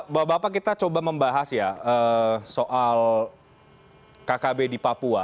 bapak bapak kita coba membahas ya soal kkb di papua